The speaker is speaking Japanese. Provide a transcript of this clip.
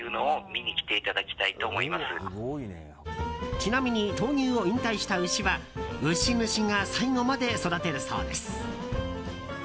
ちなみに闘牛を引退した牛は牛主が最後まで育てるそうです。